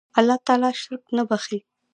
الله تعالی شرک نه بخښي